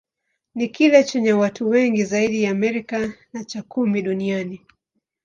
Ni kile chenye watu wengi zaidi katika Amerika, na cha kumi duniani.